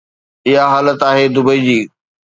اها حالت آهي دبئي جي.